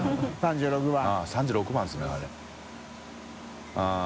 械業屐３６番ですねあれ。